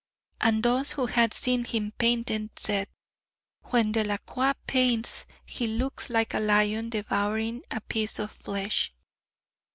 And those who had seen him painting said: "When Delacroix paints, he looks like a lion devouring a piece of flesh."